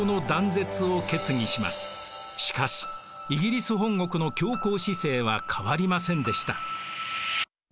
しかしイギリス本国の強硬姿勢は変わりませんでした。